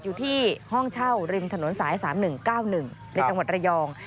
อยู่ที่ห้องเช่าริมถนนสาย๓๑๙๑ในจังหวัดระยอง